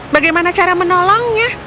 bagaimana cara menolongnya